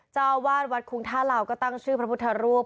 เจ้าอาวาสวัดคุงท่าลาวก็ตั้งชื่อพระพุทธรูป